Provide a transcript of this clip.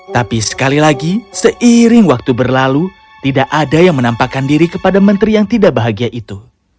tapi sekali lagi seiring waktu berlalu tidak ada yang menampakkan diri kepada menteri yang tidak bahagia itu